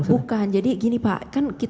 bukan jadi gini pak kan